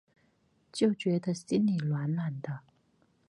就觉得心里暖暖的